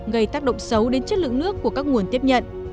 gây tác động xấu đến chất lượng nước của các nguồn tiếp nhận